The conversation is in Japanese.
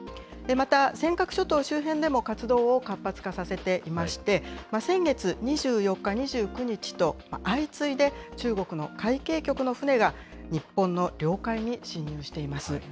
また尖閣諸島周辺でも活動を活発化させていまして、先月２４日、２９日と、相次いで中国の海警局の船が日本の領海に侵入しています。